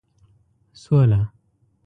سوله